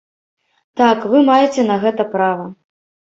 Так, вы маеце на гэта права.